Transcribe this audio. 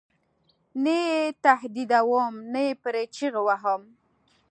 نه یې تهدیدوم نه پرې چغې وهم.